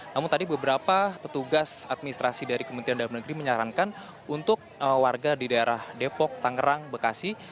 namun tadi beberapa petugas administrasi dari kementerian dalam negeri menyarankan untuk warga di daerah depok tangerang bekasi